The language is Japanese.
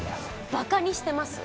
バカにしてます？